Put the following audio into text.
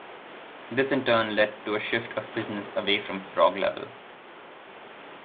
This in turn led to a shift of business away from Frog Level.